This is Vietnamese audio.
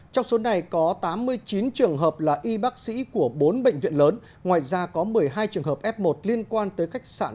trong số này có tám mươi chín trường hợp là y bác sĩ của bốn bệnh viện lớn ngoài ra có một mươi hai trường hợp f một liên quan tới khách sạn